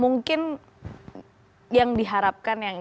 mungkin yang diharapkan oleh masyarakat itu